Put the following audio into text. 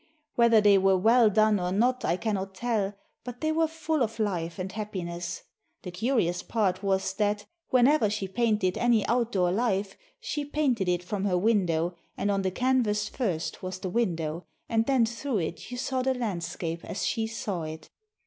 Whether they were well done or not I cannot tell ; but they were full of life and happiness. The curious part was that, whenever she painted any outdoor life, she painted it from her window, and on the canvas first was the window, and then through it you saw the landscape as she saw it.